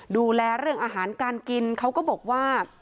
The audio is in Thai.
ดูแลเรื่องอาหารการกินเขาก็บอกว่า